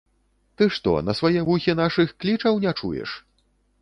Ты што, на свае вухі нашых клічаў не чуеш?